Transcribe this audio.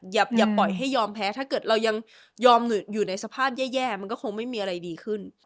อย่าปล่อยให้ยอมแพ้ถ้าเกิดเรายังยอมอยู่ในสภาพแย่มันก็คงไม่มีอะไรดีขึ้น